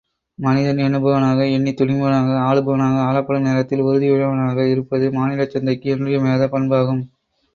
மனிதன் எண்ணுபவனாக எண்ணித் துணிபவனாக ஆளுபவனாக ஆளப்படும் நேரத்தில் உறுதியுடையவனாக இருப்பது மானிடச் சந்தைக்கு இன்றியமையாத பண்பாகும்.